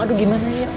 aduh gimana ya